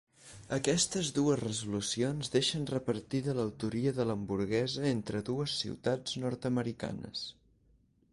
Aquestes dues resolucions deixen repartida l'autoria de l'hamburguesa entre dues ciutats nord-americanes.